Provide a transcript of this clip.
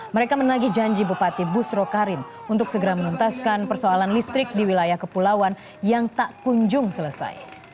mereka menagi janji bupati busro karim untuk segera menuntaskan persoalan listrik di wilayah kepulauan yang tak kunjung selesai